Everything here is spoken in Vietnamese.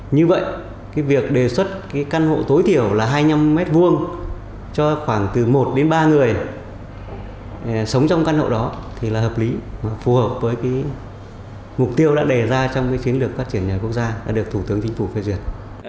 như vậy việc đề xuất cái căn hộ tối thiểu là hai mươi năm m hai cho khoảng từ một đến ba người sống trong căn hộ đó thì là hợp lý phù hợp với mục tiêu đã đề ra trong cái chiến lược phát triển nhà quốc gia đã được thủ tướng chính phủ phê duyệt